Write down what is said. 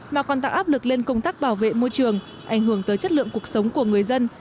mà còn tạo áp lực lên công tác bảo vệ môi trường ảnh hưởng tới chất lượng cuộc sống của người dân